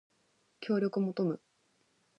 協力求む